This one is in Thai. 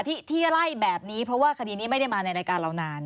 ที่ที่ไล่แบบนี้เพราะว่าคดีนี้ไม่ได้มาในรายการเรานาน